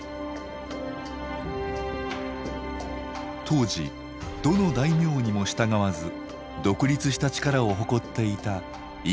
当時どの大名にも従わず独立した力を誇っていた伊賀。